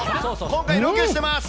今回、ロケしてます。